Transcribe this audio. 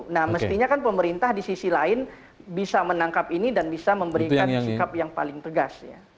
nah mestinya kan pemerintah di sisi lain bisa menangkap ini dan bisa memberikan sikap yang paling tegas ya